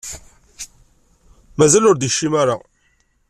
Mazal ur d-ikcim ara.